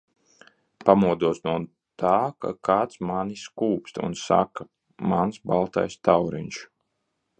Pamodos no tā, ka kāds mani skūpsta un saka: mans baltais tauriņš.